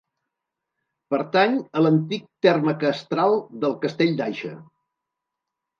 Pertany a l'antic terme castral del Castell d'Aixa.